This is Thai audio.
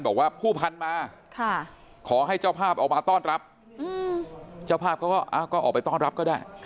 บอกว่าผู้พันมาขอให้เจ้าภาพออกมาต้อนรับเจ้าภาพเขาก็ออกไปต้อนรับก็ได้